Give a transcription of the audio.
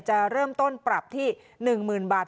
จะเริ่มต้นปรับที่๑๐๐๐บาท